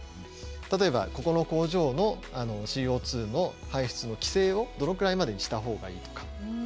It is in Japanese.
例えばここの工場のＣＯの排出の規制をどのくらいまでにした方がいいとか。